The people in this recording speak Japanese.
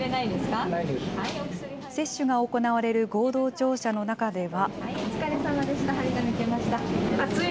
接種が行われる合同庁舎の中では。